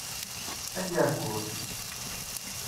Agergur